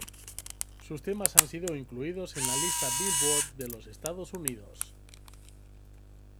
Sus temas han sido incluidos en la lista Billboard en los Estados Unidos.